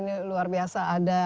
jadi ini luar biasa